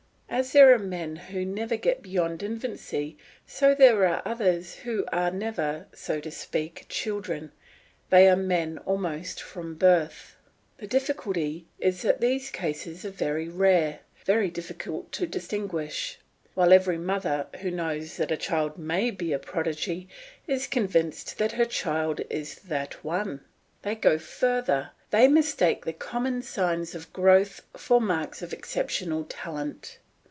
As there are men who never get beyond infancy, so there are others who are never, so to speak, children, they are men almost from birth. The difficulty is that these cases are very rare, very difficult to distinguish; while every mother, who knows that a child may be a prodigy, is convinced that her child is that one. They go further; they mistake the common signs of growth for marks of exceptional talent.